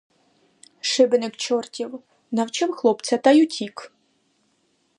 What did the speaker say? Шибеник чортів, навчив хлопця та й утік.